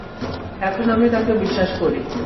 এখন আমি তোকে বিশ্বাস করি!